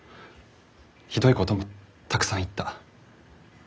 ひどいこともたくさん言った。